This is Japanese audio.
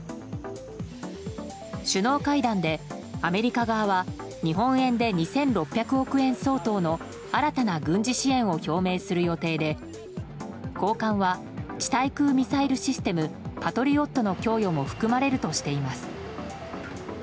首脳会談でアメリカ側は日本円で２６００億円相当の新たな軍事支援を表明する予定で高官は地対空ミサイルシステムパトリオットの供与も含まれるとしています。